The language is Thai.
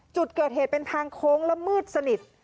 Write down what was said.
จุดเกิดเหตุเป็นทางโค้งและมืดสนิท